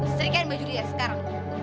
setrikain baju lia sekarang